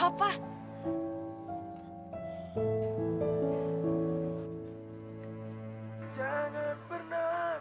jangan pernah kau coba